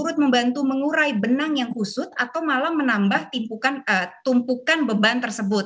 jadi itu turut membantu mengurai benang yang kusut atau malah menambah tumpukan beban tersebut